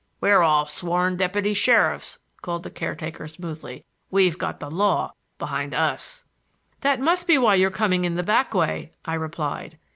"We're all sworn deputy sheriffs," called the caretaker smoothly. "We've got the law behind us." "That must be why you're coming in the back way," I replied.